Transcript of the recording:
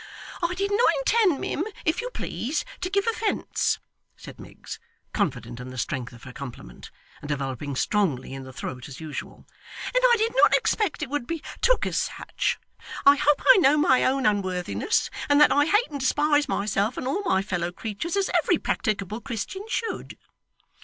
'I did not intend, mim, if you please, to give offence,' said Miggs, confident in the strength of her compliment, and developing strongly in the throat as usual, 'and I did not expect it would be took as such. I hope I know my own unworthiness, and that I hate and despise myself and all my fellow creatures as every practicable Christian should.